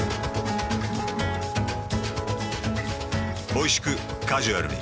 おいしくカジュアルに。